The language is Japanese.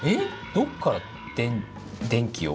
どこから電気を？